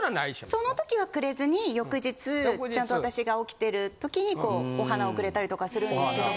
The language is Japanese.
その時はくれずに翌日ちゃんと私が起きてる時にお花をくれたりとかするんですけど。